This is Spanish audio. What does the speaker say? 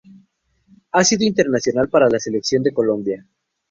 Ha sido internacional para la Selección Colombia.